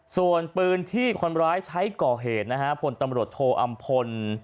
ส่วนปืนที่คนร้ายใช้เกาะเหตุนะฮะผลธรรมโรดโทอำพล